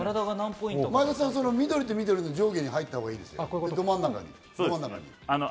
前田さん、緑と緑の上下にちゃんと入ったほうがいいですよ。